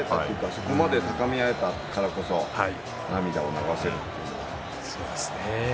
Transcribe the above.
そこまで高み合えたからこそ涙を流せるという。